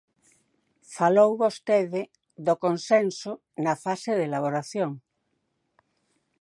Falou vostede do consenso na fase de elaboración.